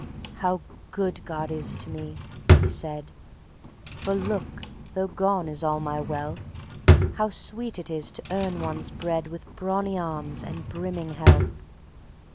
"How good God is to me," he said; "For look! though gone is all my wealth, How sweet it is to earn one's bread With brawny arms and brimming health.